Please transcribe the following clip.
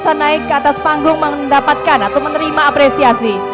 saya naik ke atas panggung mendapatkan atau menerima apresiasi